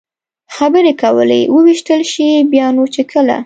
خبرې کولې، ووېشتل شي، بیا نو چې کله.